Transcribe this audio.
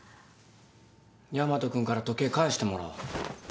ヤマト君から時計返してもらおう。